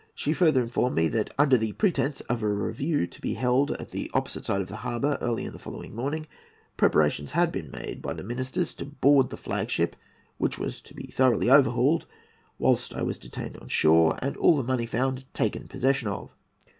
She further informed me that, under the pretence of a review to be held at the opposite side of the harbour early in the following morning, preparations had been made by the ministers to board the flag ship, which was to be thoroughly overhauled whilst I was detained on shore, and all the money found taken possession of.